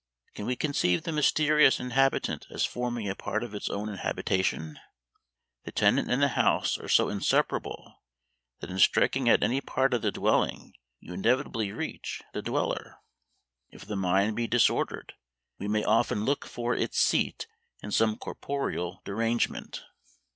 Can we conceive the mysterious inhabitant as forming a part of its own habitation? The tenant and the house are so inseparable, that in striking at any part of the dwelling, you inevitably reach the dweller. If the mind be disordered, we may often look for its seat in some corporeal derangement.